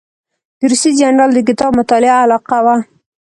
د روسي جنرال د کتاب مطالعه علاقه وه.